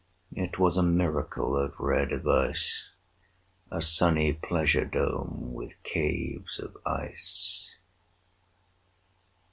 It was a miracle of rare device, 35 A sunny pleasure dome with caves of ice!